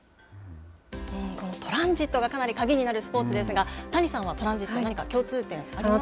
トランジットがかなり鍵になるスポーツですが、谷さんはトランジット、何か共通点はありますか。